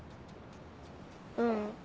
うん。